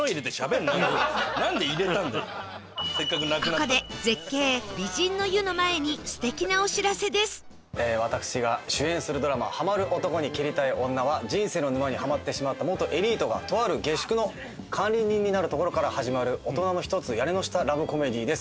ここで絶景美人の湯の前に私が主演するドラマ『ハマる男に蹴りたい女』は人生の沼にハマってしまった元エリートがとある下宿の管理人になるところから始まるオトナの一つ屋根の下ラブコメディーです。